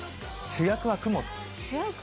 主役は雲？